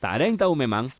tak ada yang tahu memang